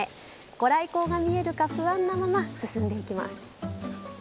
ご来光が見えるか不安なまま進んでいきます。